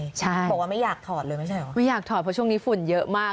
ใช่บอกว่าไม่อยากถอดเลยไม่ใช่เหรอไม่อยากถอดเพราะช่วงนี้ฝุ่นเยอะมาก